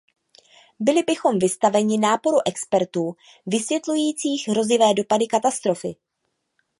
Byli bychom vystaveni náporu expertů vysvětlujících hrozivé dopady katastrofy.